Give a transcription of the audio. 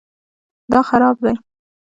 دا خراب دی